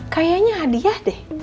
kayanya hadiah deh